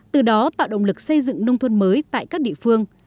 từ đó tạo động lực xây dựng nông thôn mới tại các địa phương